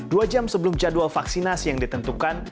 dua jam sebelum jadwal vaksinasi yang ditentukan